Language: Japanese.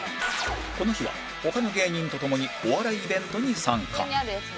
この日は他の芸人とともにお笑いイベントに参加